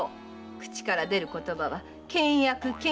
口から出る言葉は「倹約倹約倹約」！